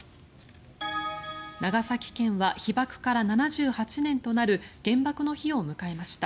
長崎県は被爆から７８年となる原爆の日を迎えました。